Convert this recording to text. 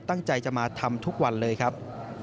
ตั้งใจจะมาทำทุกวันเลยครับ